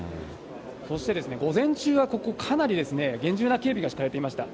そして午前中にはここ、かなり厳重な警備が敷かれていました。